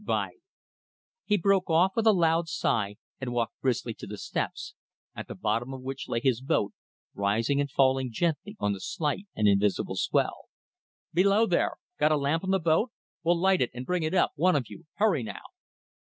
By ..." He broke off with a loud sigh and walked briskly to the steps, at the bottom of which lay his boat, rising and falling gently on the slight and invisible swell. "Below there! Got a lamp in the boat? Well, light it and bring it up, one of you. Hurry now!"